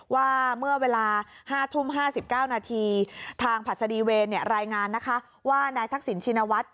ว่าเมื่อเวลา๕ทุ่ม๕๙นาทีทางผัดสดีเวรรายงานนะคะว่านายทักษิณชินวัฒน์